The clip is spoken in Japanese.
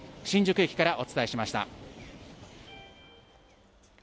新宿駅からお伝えしました。